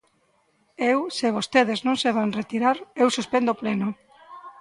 Eu se vostedes non se van retirar, eu suspendo o pleno.